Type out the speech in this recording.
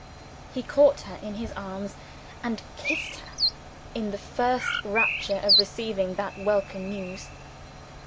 He caught her in his arms, and kissed her, in the first rapture of receiving that welcome news.